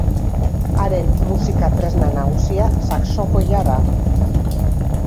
Haren musika tresna nagusia saxofoia da.